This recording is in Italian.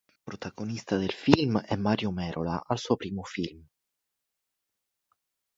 Protagonista del film è Mario Merola, al suo primo film.